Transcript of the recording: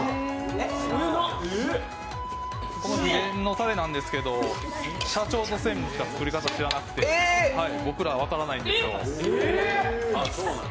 秘伝のたれなんですけど社長と専務しか作り方分からなくて、僕ら、分からないんですよ。